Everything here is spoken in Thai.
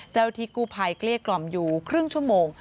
ที่กู้ภัยเกลี้ยกล่อมอยู่ครึ่งชั่วโมง